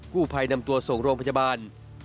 ผู้ภัยนำตัวส่งโรงพยาบาล